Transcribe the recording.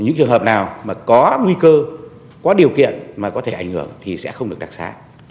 những trường hợp nào mà có nguy cơ có điều kiện mà có thể ảnh hưởng thì sẽ không được đặc xá